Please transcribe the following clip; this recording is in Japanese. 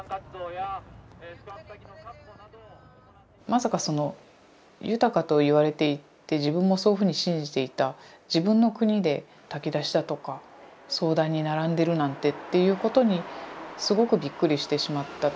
まさかその豊かと言われていて自分もそういうふうに信じていた自分の国で炊き出しだとか相談に並んでるなんてっていうことにすごくびっくりしてしまった。